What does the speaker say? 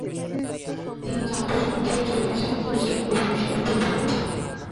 তিনি চার প্রজন্ম ধরে চলে আসা হিউস্টন অভিনয়শিল্পী পরিবারের প্রধান।